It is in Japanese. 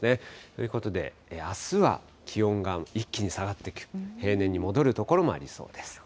ということで、あすは気温が一気に下がって、平年に戻る所もありそうです。